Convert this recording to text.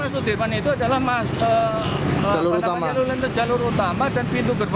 perlintasan kereta ini juga